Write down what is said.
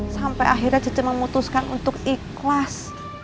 sampai akhirnya cici memutuskan untuk ikhlas